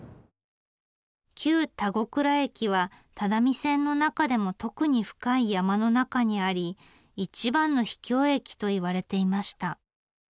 旧・田子倉駅は只見線の中でも特に深い山の中にあり一番の秘境駅といわれていました。